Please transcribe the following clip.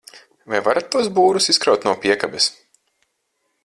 Vai varat tos būrus izkraut no piekabes?